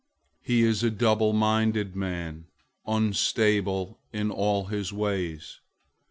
001:008 He is a double minded man, unstable in all his ways.